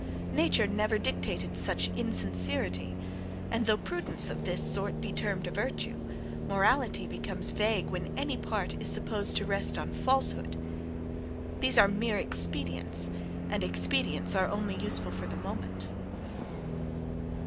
Nature never dictated such insincerity; and though prudence of this sort be termed a virtue, morality becomes vague when any part is supposed to rest on falsehood. These are mere expedients, and expedients are only useful for the moment.